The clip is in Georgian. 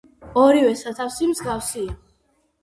ორივე სათავსი მსგავსია.